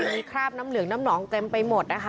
มีคราบน้ำเหลืองน้ำหนองเต็มไปหมดนะคะ